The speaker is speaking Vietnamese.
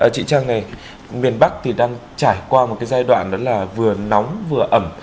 chị trang này miền bắc thì đang trải qua một cái giai đoạn đó là vừa nóng vừa ẩm